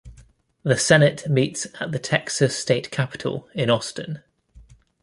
The Senate meets at the Texas State Capitol in Austin.